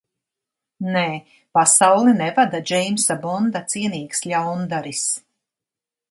Nē - pasauli nevada Džeimsa Bonda cienīgs ļaundaris.